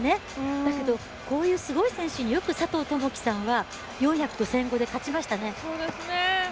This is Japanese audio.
だけど、こういうすごい選手によく佐藤友祈選手は４００と１５００で勝ちましたね。